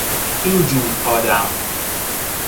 این جور آدم